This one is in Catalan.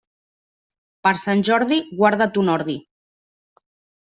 Per Sant Jordi, guarda ton ordi.